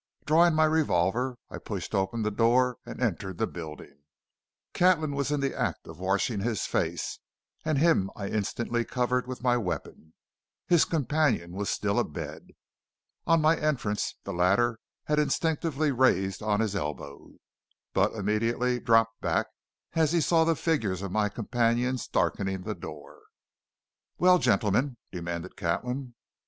Drawing my revolver, I pushed open the door and entered the building. Catlin was in the act of washing his face, and him I instantly covered with my weapon. His companion was still abed. On my entrance the latter had instinctively raised on his elbow, but immediately dropped back as he saw the figures of my companions darkening the door. "Well, gentlemen?" demanded Catlin.